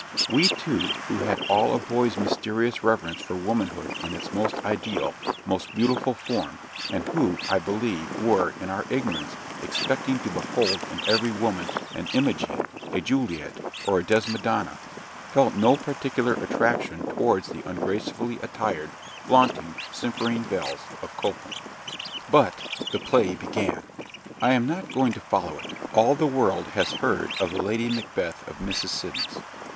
We two who had all a boy's mysterious reverence for womanhood in its most ideal, most beautiful form, and who, I believe, were, in our ignorance, expecting to behold in every woman an Imogen, a Juliet, or a Desdemona felt no particular attraction towards the ungracefully attired, flaunting, simpering belles of Coltham. But the play began. I am not going to follow it: all the world has heard of the Lady Macbeth of Mrs. Siddons.